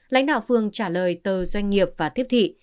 lãnh đạo phường trả lời tờ doanh nghiệp và thiếp thị